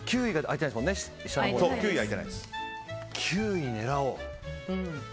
９位狙おう。